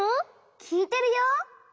きいてるよ。